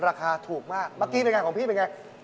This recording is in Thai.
ราคาถูกมากมากินเป็นอย่างเค้าของพี่เป็นอย่างไร